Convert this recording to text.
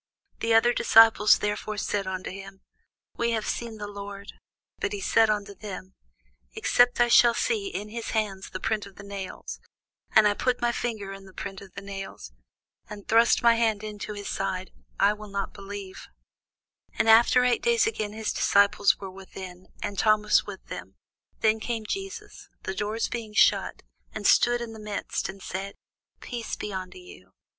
The other disciples therefore said unto him, We have seen the Lord. But he said unto them, Except I shall see in his hands the print of the nails, and put my finger into the print of the nails, and thrust my hand into his side, I will not believe. [Sidenote: St. John 20] And after eight days again his disciples were within, and Thomas with them: then came Jesus, the doors being shut, and stood in the midst, and said, Peace be unto you.